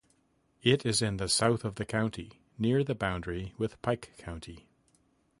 It is in the south of the county, near the boundary with Pike County.